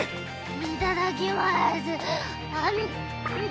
いただきます